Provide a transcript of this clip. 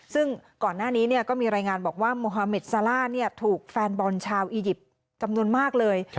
ซึ่งก่อนหน้านี้ก็มีรายงานบอกว่าโมฮาเมดซาล่าถูกแฟนบอลชาวอียิปต์จำนวนมากเลย